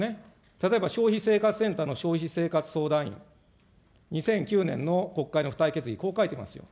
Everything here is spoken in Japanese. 例えば消費生活センターの消費生活相談員、２００９年の国会の付帯決議にこう書いてますよ。